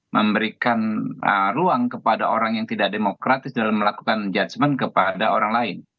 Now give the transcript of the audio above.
memberikan ruang kepada orang yang tidak demokratis dalam melakukan judgement kepada orang lain